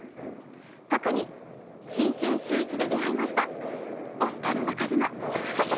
特に新春シューイチで出会いましたオスカル中島。